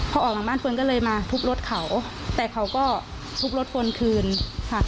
พอออกมาบ้านเฟิร์นก็เลยมาทุบรถเขาแต่เขาก็ทุบรถเฟิร์นคืนค่ะ